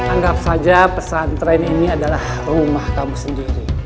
anggap saja pesantren ini adalah rumah kamu sendiri